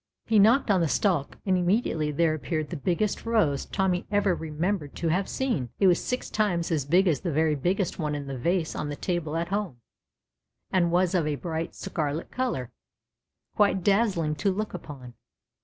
He knocked on the stalk and immediately there appeared the biggest rose Tommy ever remembered to have seen. It was six times as big as the very biggest one in the vase on the table at home, and was of a bright scarlet color, quite dazzling to look upon.